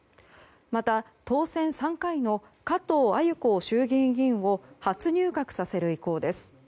また、当選３回の加藤鮎子衆議院議員を初入閣させる意向です。